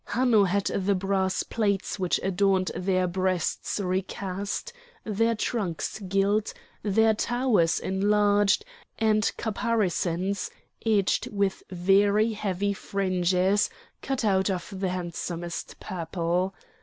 Hanno had the brass plates which adorned their breasts recast, their tusks gilt, their towers enlarged, and caparisons, edged with very heavy fringes, cut out of the handsomest purple.